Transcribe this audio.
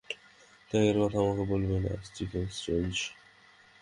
ত্যাগের কথা আমাকে বলবে না, স্টিফেন স্ট্রেঞ্জ।